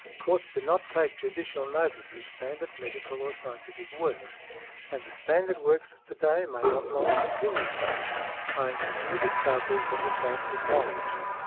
Courts do not take judicial notice of standard medical or scientific works, and the standard works of to day may not long continue such, owing to new discoveries and advancing knowledge."